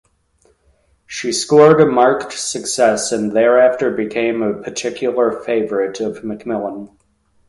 She scored a marked success and thereafter became a particular favorite of MacMillan.